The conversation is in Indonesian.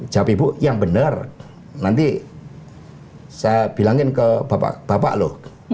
jawab ibu yang benar nanti saya bilangin ke bapak bapak loh